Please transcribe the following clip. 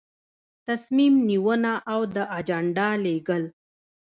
تصمیم نیونه او د اجنډا لیږل.